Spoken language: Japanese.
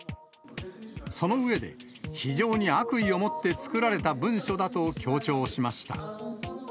その上で、非常に悪意を持って作られた文書だと強調しました。